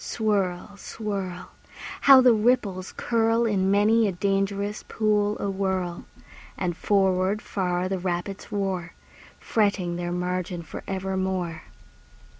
Swirl, swirl! How the ripples curl In many a dangerous pool awhirl! And forward far the rapids roar, Fretting their margin for evermore.